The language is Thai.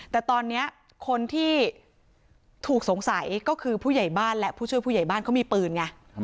แต่ตอนนี้คนที่ถูกสงสัยก็คือผู้ใหญ่บ้านและผู้ช่วยผู้ใหญ่บ้านเขามีปืนไง